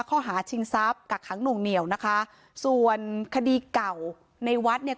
ข้อหาชิงทรัพย์กักขังหน่วงเหนียวนะคะส่วนคดีเก่าในวัดเนี่ย